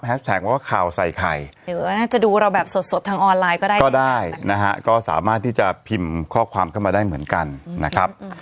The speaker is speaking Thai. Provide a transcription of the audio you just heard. ว่าข่าวใส่ไข่หรือว่าน่าจะดูเราแบบสดสดทางออนไลน์ก็ได้ก็ได้นะฮะก็สามารถที่จะพิมพ์ข้อความเข้ามาได้เหมือนกันนะครับ